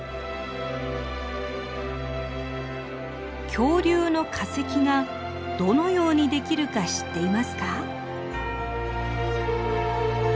恐竜の化石がどのようにできるか知っていますか？